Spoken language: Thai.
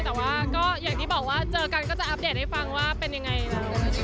แต่ว่าก็อย่างที่บอกว่าเจอกันก็จะอัปเดตให้ฟังว่าเป็นยังไงนะ